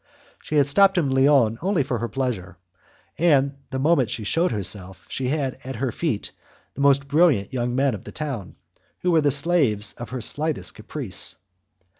She had stopped in Lyons only for her pleasure, and, the moment she shewed herself, she had at her feet the most brilliant young men of the town, who were the slaves of her slightest caprice.